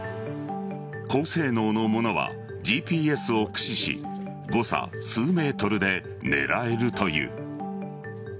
高性能のものはＧＰＳを駆使し誤差数ｍで狙えるという。